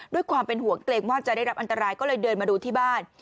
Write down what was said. ด้วยความเป็นห่วงเกรงว่าจะได้รับอันตรายก็เลยเดินมาดูที่บ้าน